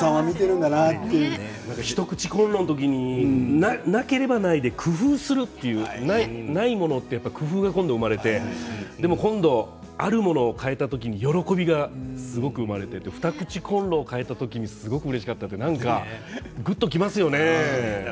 一口コンロの時になければないで工夫するというのが生まれて今度、あるものをかえた時に喜びが生まれて二口コンロを買えた時にすごくうれしかったってぐっときますね。